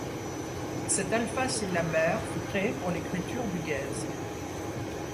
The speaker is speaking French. Cet alphasyllabaire fut créé pour l'écriture du guèze.